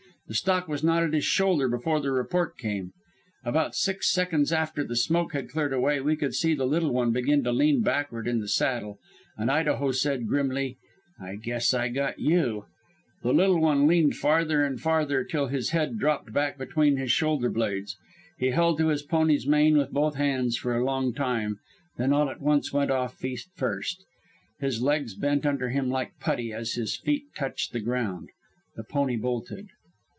The stock was not at his shoulder before the report came. About six seconds after the smoke had cleared away we could see the Little One begin to lean backward in the saddle, and Idaho said grimly, 'I guess I got you.' The Little One leaned farther and farther till suddenly his head dropped back between his shoulder blades. He held to his pony's mane with both hands for a long time and then all at once went off feet first. His legs bent under him like putty as his feet touched the ground. The pony bolted.